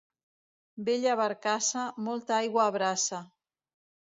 Vella barcassa, molta aigua abraça.